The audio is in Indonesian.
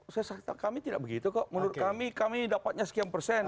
saya kami tidak begitu kok menurut kami kami dapatnya sekian persen